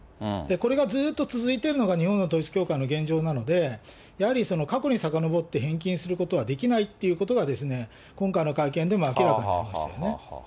これがずっと続いているのが日本の統一教会の現状なんで、やはり過去にさかのぼって返金することはできないっていうことが、今回の会見でも明らかになりましたよね。